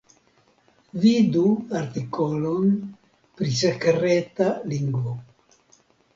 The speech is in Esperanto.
Vidu artikolon pri sekreta lingvo.